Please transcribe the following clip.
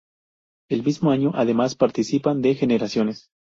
El mismo año además participan de "Generaciones.